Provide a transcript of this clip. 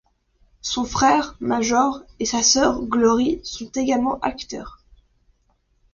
Son frère Major et sa sœur Glory sont également acteurs.